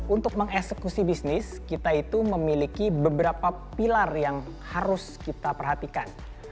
untuk mengeksekusi bisnis kita itu memiliki beberapa pilar yang harus kita perhatikan